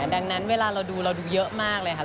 ดังนั้นเวลาเราดูเราดูเยอะมากเลยค่ะ